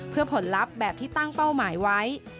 เพื่อผลลัพธ์แบบที่ตั้งเป้าหมายไว้